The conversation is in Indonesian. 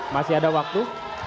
masih ada waktu